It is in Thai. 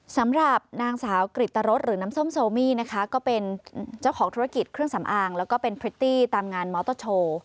สำหรับนางสาวกริตรสหรือน้ำส้มโซมี่นะคะก็เป็นเจ้าของธุรกิจเครื่องสำอางแล้วก็เป็นพริตตี้ตามงานมอเตอร์โชว์